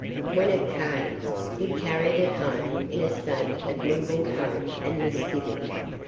When it came, he carried it home in a state of mingled hope and misgiving.